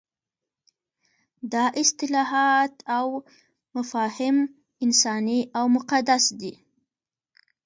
دا اصطلاحات او مفاهیم انساني او مقدس دي.